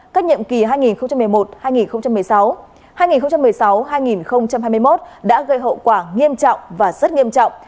các nhiệm kỳ hai nghìn một mươi một hai nghìn một mươi sáu hai nghìn một mươi sáu hai nghìn hai mươi một đã gây hậu quả nghiêm trọng và rất nghiêm trọng